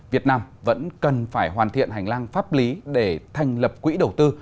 việt nam vẫn cần phải hoàn thiện hành lang pháp lý để thành lập quỹ đầu tư